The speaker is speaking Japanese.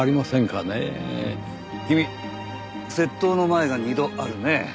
君窃盗のマエが２度あるね。